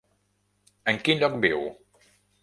En quin lloc viu?